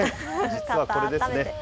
実はこれですね。